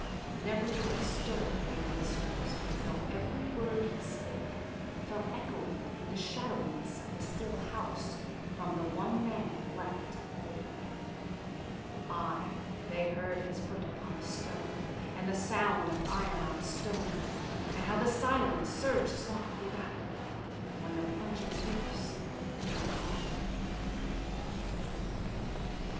Never the least stir made the listeners, Though every word he spake Fell echoing through the shadowiness of the still house From the one man left awake: Ay, they heard his foot upon the stirrup, And the sound of iron on stone, And how the silence surged softly backward, When the plunging hoofs were gone.